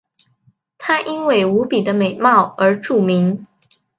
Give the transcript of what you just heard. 她因为无比的美貌而著名。